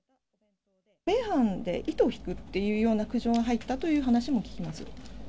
米飯で糸を引くというような苦情が入ったという話も聞きます。